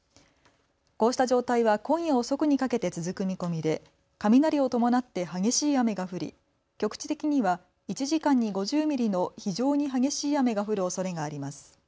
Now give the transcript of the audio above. こうした状態は今夜遅くにかけて続く見込みで雷を伴って激しい雨が降り局地的には１時間に５０ミリの非常に激しい雨が降るおそれがあります。